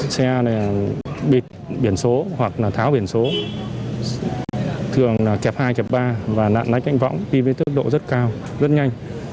xe này biển số hoặc tháo biển số thường kẹp hai kẹp ba và nặn lách đánh võng đi với tước độ rất cao rất nhanh